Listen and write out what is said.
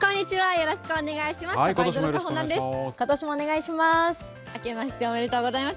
よろしくお願いします。